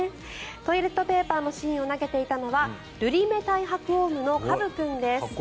トイレットペーパーの芯を投げていたのはルリメタイハクオウムのカブ君です。